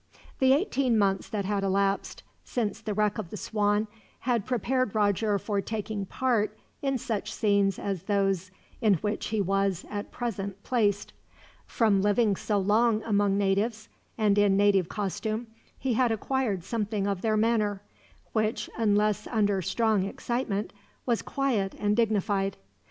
The eighteen months that had elapsed, since the wreck of the Swan, had prepared Roger for taking part in such scenes as those in which he was, at present, placed. From living so long among natives, and in native costume, he had acquired something of their manner; which, unless under strong excitement, was quiet and dignified.